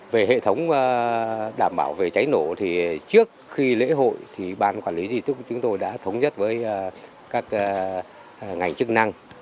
về hệ thống đảm bảo cháy nổ trước khi lễ hội ban quản lý di tích đã thống nhất với các ngành chức năng